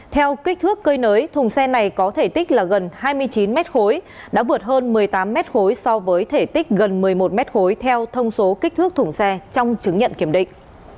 theo kích thước cơi nới thùng xe này có thể tích là gần hai mươi chín mét khối đã vượt hơn một mươi tám mét khối so với thể tích gần một mươi một m khối theo thông số kích thước thùng xe trong chứng nhận kiểm định